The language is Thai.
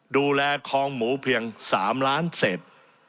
ดูแลคองหมูเพียง๓ล้านเศษ